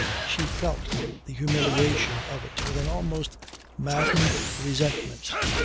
She felt the humiliation of it with an almost maddened resentment.